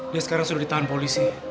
dia sekarang sudah ditahan polisi